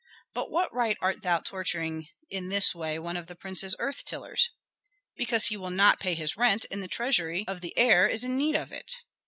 "By what right art thou torturing in this way one of the prince's earth tillers?" "Because he will not pay his rent, and the treasury of the heir is in need of it."